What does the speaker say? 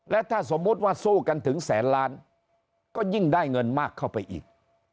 และถ้าสมมุติว่าสู้กันถึงแสนล้านก็ยิ่งได้เงินมากเข้าไปอีก